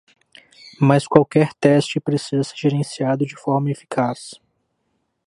Mas qualquer teste precisa ser gerenciado de forma eficaz.